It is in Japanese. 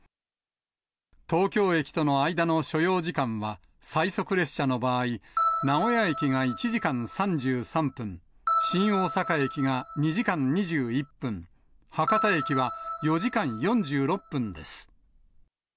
東京駅との間の所要時間は、最速列車の場合、名古屋駅が１時間３３分、新大阪駅が２時間２１分、博多駅は４時間４６分です。